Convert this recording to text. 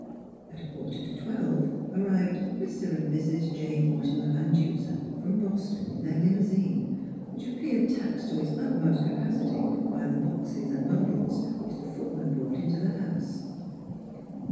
At a quarter to twelve arrived Mr. and Mrs. J. INIortimer Van Duser, from Bos ton in their limousine, which appeared taxed to its utmost capacity by the boxes and bundles which the footman brought into the house.